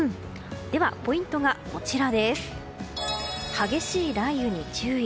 ポイントはこちら激しい雷雨に注意。